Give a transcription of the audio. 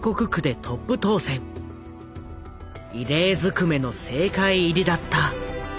異例ずくめの政界入りだった。